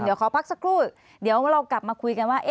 เดี๋ยวขอพักสักครู่เดี๋ยวเรากลับมาคุยกันว่า